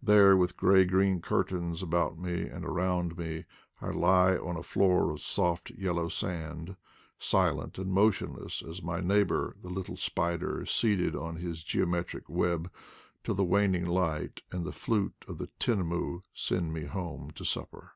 There, with gray green curtains about and around me, I lie on a floor of soft yellow sand, silent and motionless as my neighbor the little spider seated on his geo metric web, till the waning light and the flute of the tinamou send me home to supper.